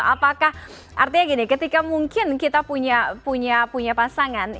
apakah artinya gini ketika mungkin kita punya pasangan